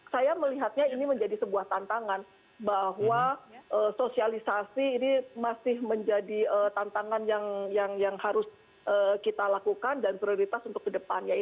saya melihatnya ini menjadi sebuah tantangan bahwa sosialisasi ini masih menjadi tantangan yang harus kita lakukan dan prioritas untuk kedepannya